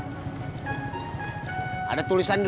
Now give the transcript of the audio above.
emang nggak jadi